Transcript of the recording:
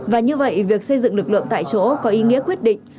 và như vậy việc xây dựng lực lượng tại chỗ có ý nghĩa quyết định